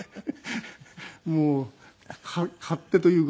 もう勝手というかなんか。